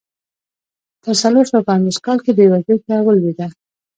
په څلور سوه پنځوس کال کې بېوزلۍ ته ولوېده.